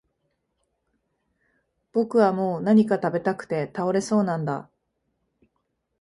僕はもう何か喰べたくて倒れそうなんだ